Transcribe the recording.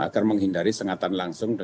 agar menghindari sengatan langsung